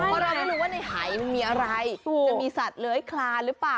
เพราะเราไม่รู้ว่าในหายมันมีอะไรจะมีสัตว์เลื้อยคลานหรือเปล่า